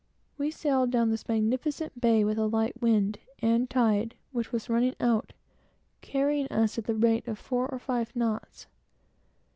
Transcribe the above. We sailed down this magnificent bay with a light wind, the tide, which was running out, carrying us at the rate of four or five knots.